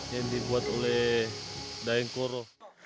yang dibuat oleh dayeng kuro